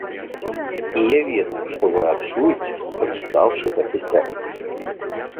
І я ведаю, што вы адчуеце, прачытаўшы гэты тэкст.